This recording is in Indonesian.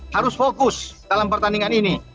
harus fokus dalam pertandingan ini